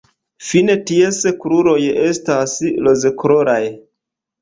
Fine ties kruroj estas rozkoloraj.